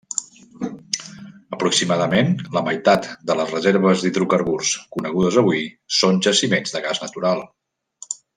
Aproximadament la meitat de les reserves d'hidrocarburs conegudes avui són jaciments de gas natural.